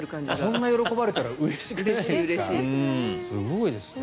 こんなに喜ばれたらうれしいですよね。